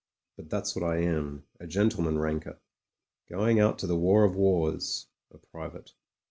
But that's what I am — a gentleman ranker; going out to the war of wars — b, private.